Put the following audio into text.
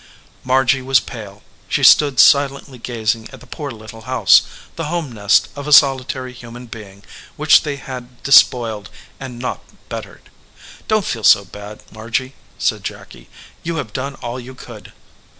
Margy was pale. She stood silently gazing at the poor little house, the home nest of a solitary 40 THE OLD MAN OF THE FIELD human being which they had despoiled and not bettered. "Don t feel so bad, Margy," said Jacky. "You have done all you could."